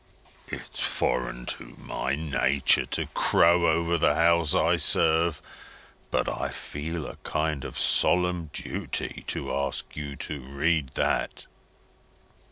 "It's foreign to my nature to crow over the house I serve, but I feel it a kind of solemn duty to ask you to read that."